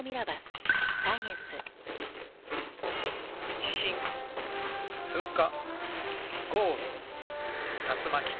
地震噴火豪雨竜巻。